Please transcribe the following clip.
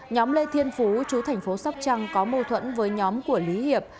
nhóm lê thiên phú trú thành phố sóc trăng có mô thuẫn với nhóm của lý hiệp